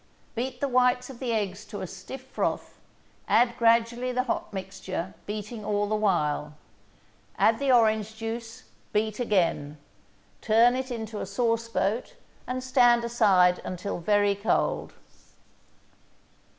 Beat the whites of the eggs to a stiff froth, add gradually the hot mixture, beating all the while. Add the orange juice, beat again. Turn it into a sauceboat and stand aside until very cold.